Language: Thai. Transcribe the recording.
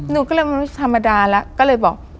นุกก็เลยทำดาละก็เลยบอก